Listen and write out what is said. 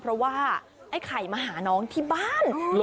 เพราะว่าไอ้ไข่มาหาน้องที่บ้าน